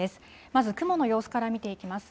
まず、雲の様子から見ていきます。